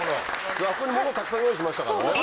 あそこにモノたくさん用意しましたからね。